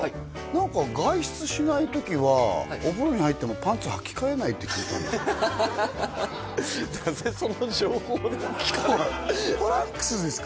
何か外出しない時はお風呂に入ってもパンツをはき替えないって聞いたんですけどなぜその情報トランクスですか？